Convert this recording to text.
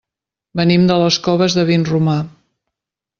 Venim de les Coves de Vinromà.